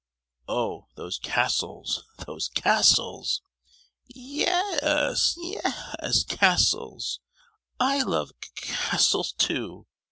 Oh! those castles, those castles!" "Ye—yes, ye—yes, castles; I love ca—astles too!"